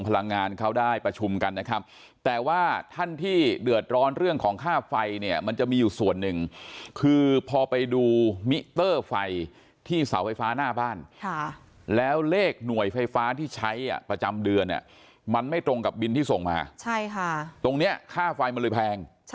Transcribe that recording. หน่วยที่จดไปแบบแตกต่างกันมันแตกต่างกันเยอะโฮบ้างบ้างนี่บอกหือ